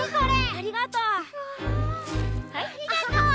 ありがとう！